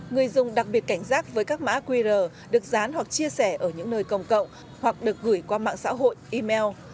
người dùng đặc biệt cảnh giác với các mã qr được dán hoặc chia sẻ ở những nơi công cộng hoặc được gửi qua mạng xã hội email